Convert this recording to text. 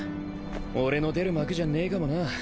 俺の出る幕じゃねえかもな。